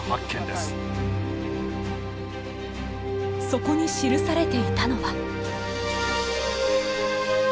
そこに記されていたのは。